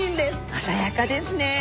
鮮やかですね。